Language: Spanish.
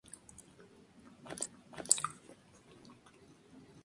Debe quedar, pues, convenientemente alejado de la ciudad o centro poblado...